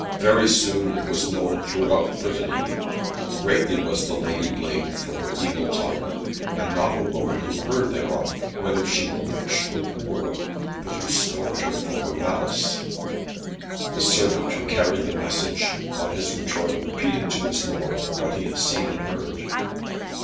Very soon it was known throughout Brittany. Greatly was the lady blamed for her evil tongue, and not a woman who heard thereof whether she were rich or poor but who scorned her for her malice. The servant who carried the message, on his return repeated to his lord of what he had seen and heard.